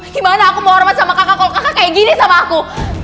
gimana aku mau hormat sama kakak kalau kakak kayak gini sama aku